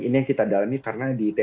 ini yang kita dalami karena di it